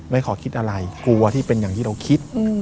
ขอคิดอะไรกลัวที่เป็นอย่างที่เราคิด